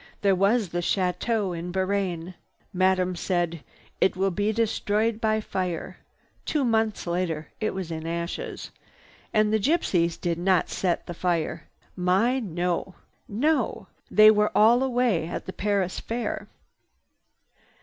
"There was the Chateau Buraine. Madame said, 'It will be destroyed by fire.' Two months later it was in ashes. And the gypsies did not set the fire. Mais no! No! They were all away at the Paris Fair."